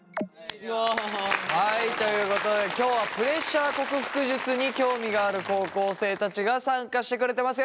はいということで今日はプレッシャー克服術に興味がある高校生たちが参加してくれてます。